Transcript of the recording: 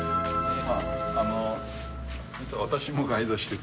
実は私もガイドしてて。